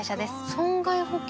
損害保険？